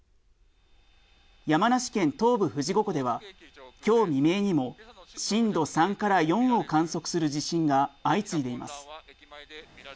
山梨県東部・富士五湖では今日未明にも震度３から４を観測する地震が相次いでいます。